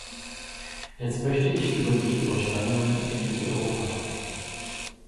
Jetzt möchte ich über die Überschwemmungen in Mitteleuropa sprechen.